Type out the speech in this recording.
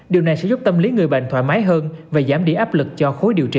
điều này sẽ giúp tâm lý người bệnh thoải mái hơn và giảm đi áp lực cho khối điều trị